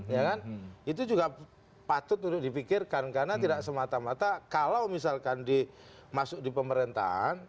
ya kan itu juga patut untuk dipikirkan karena tidak semata mata kalau misalkan masuk di pemerintahan